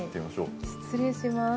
失礼します